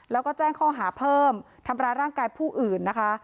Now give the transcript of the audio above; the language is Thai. แล้วก็แจ้งข้อหาเพิ่มทำร้ายร่างกายผู้อื่นนะคะ